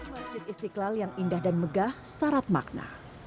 masjid istiqlal yang indah dan megah syarat makna